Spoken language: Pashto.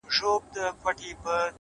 o زما يتيـمي ارواح تـه غـــــوښـتې خـو؛